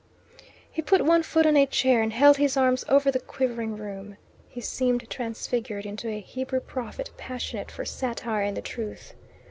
He put one foot on a chair and held his arms over the quivering room. He seemed transfigured into a Hebrew prophet passionate for satire and the truth.